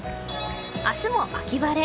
明日も秋晴れ。